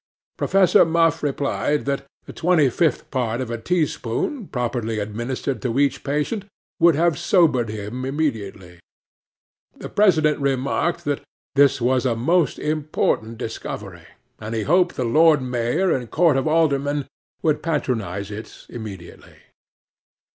Professor Muff replied that the twenty fifth part of a teaspoonful, properly administered to each patient, would have sobered him immediately. The President remarked that this was a most important discovery, and he hoped the Lord Mayor and Court of Aldermen would patronize it immediately.